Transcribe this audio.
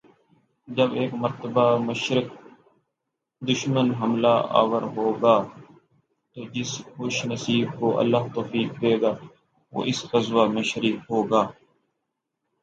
جب ایک مرتبہ مشرک دشمن حملہ آور ہو گا، تو جس خوش نصیب کو اللہ توفیق دے گا وہ اس غزوہ میں شریک ہوگا۔۔